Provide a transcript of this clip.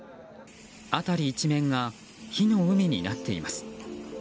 辺り一面が火の海になっています。